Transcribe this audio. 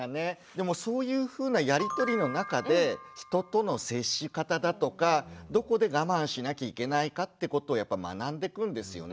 でもそういうふうなやり取りの中で人との接し方だとかどこで我慢しなきゃいけないかってことをやっぱ学んでくんですよね。